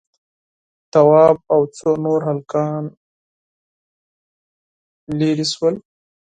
تواب او څو نور هلکان ليرې شول.